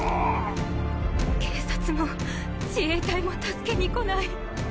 警察も自衛隊も助けに来ない。